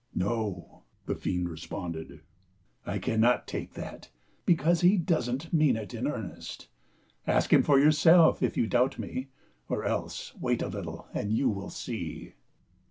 '*" No," the fiend responded, " I cannot take that, because he doesn't mean it in earnest. Ask him for yourself, if you doubt me, or else wait a little and you will see."